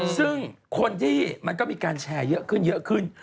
ซึ่งคนที่มันก็มีการแชร์เยอะขึ้น